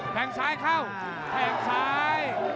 แทงซ้ายเข้า